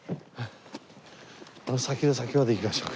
あの先の先まで行きましょうか。